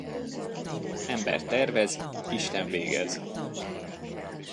Ember tervez, Isten végez.